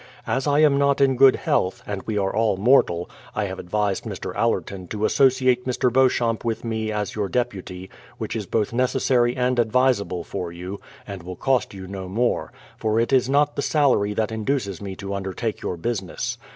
As I am not in good health, and we are all mortal, I have advised Mr. Allerton to associate Mr. Beauchamp with me as your deputy, which is both necessary and advisable for you, and will cost you no more, for it is not the salary that induces me to undertake your business.